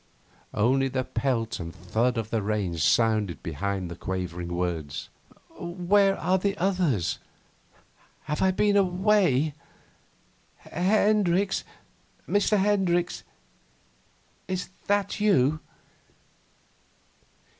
Only the pelt and thud of the rain sounded behind the quavering words. 'Where are the others? Have I been away? Hendricks Mr. Hendricks is that you